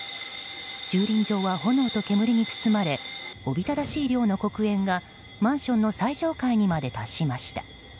駐輪場は炎と煙に包まれおびただしい量の黒煙がマンションの最上階にまで達しました。